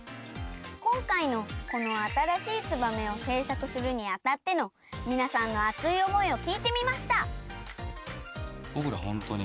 こんかいのこのあたらしい「ツバメ」をせいさくするにあたってのみなさんの熱い思いをきいてみました。